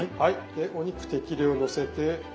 でお肉適量のせて。